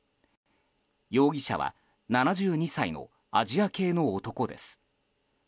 容疑者は７２歳のアジア系の男です。